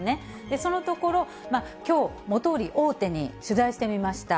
そのところ、きょう、元売り大手に取材してみました。